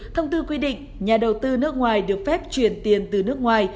thông tư quy định nhà đầu tư nước ngoài được phép chuyển tiền từ nước ngoài